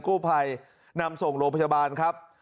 กู้ภัยนำส่งโรงพยาบาลครับ